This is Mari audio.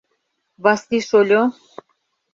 Васли шольо!